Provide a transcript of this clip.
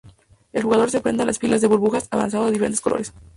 El jugador se enfrenta con las filas de burbujas avanzando de diferentes colores.